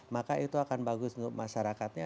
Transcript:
maka itu akan bagus untuk masyarakatnya